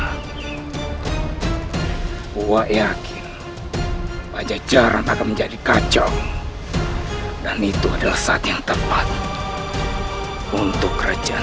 gua yakin pajajaran akan menjadi kacau dan itu adalah saat yang tepat untuk kerajaan